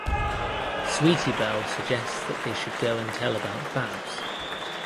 Sweetie Belle suggests that they should go and tell about Babs.